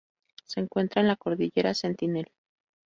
Se encuentra en la cordillera Sentinel.